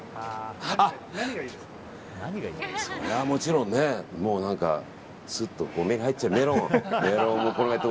それはもちろんすっと目に入っちゃう、メロン。